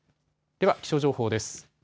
では気象情報です。